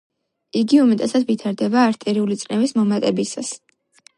იგი უმეტესად ვითარდება არტერიული წნევის მომატებისას.